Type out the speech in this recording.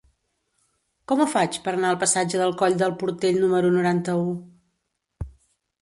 Com ho faig per anar al passatge del Coll del Portell número noranta-u?